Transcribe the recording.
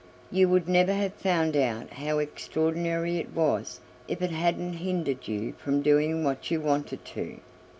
You would never have found out how extraordinary it was if it hadn't hindered you from doing what you wanted to.